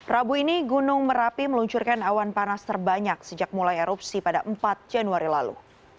rabu ini gunung merapi meluncurkan awan panas terbanyak sejak mulai erupsi pada empat januari lalu